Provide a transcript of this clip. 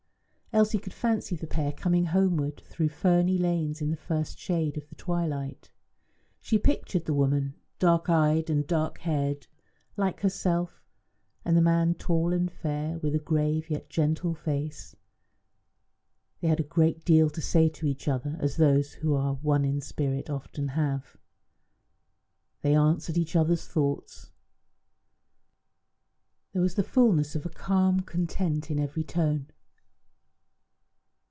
Elsie could fancy the pair coming homeward through ferny lanes in the first shade of the twilight. She pictured the woman, dark eyed and dark haired, like herself, and the man tall and fair, with a grave yet gentle face. They had a great deal to say to each other, as those who are one in spirit often have. They answered each other's thoughts; there was the fulness of a calm content in every tone.